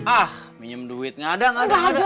ah minum duit gak ada gak ada